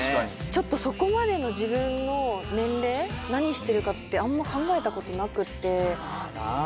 ちょっとそこまでの自分の年齢何してるかってあんま考えたことなくって。